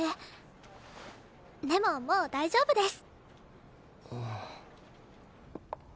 でももう大丈夫です！